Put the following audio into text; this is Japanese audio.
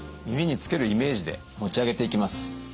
耳につけるイメージで持ち上げていきます。